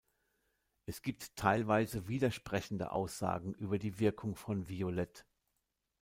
Es gibt teilweise widersprechende Aussagen über die Wirkung von Violett.